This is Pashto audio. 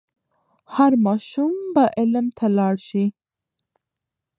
هر ماشوم به علم ته لاړ سي.